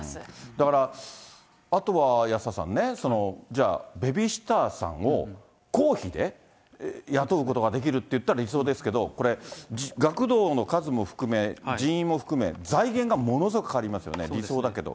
だから、あとは安田さんね、じゃあ、ベビーシッターさんを公費で雇うことができるっていったら理想ですけど、これ、学童の数も含め、人員も含め、財源がものすごいかかりますよね、理想だけど。